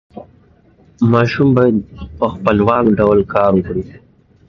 ماشومان باید په خپلواک ډول کار وکړي.